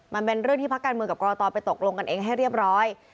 มันเป็นเรื่องที่พักการเมืองกับกรกตไปตกลงกันเองให้เรียบร้อย